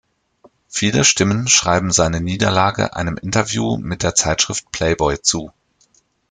Viele Stimmen schreiben seine Niederlage einem Interview mit der Zeitschrift Playboy zu.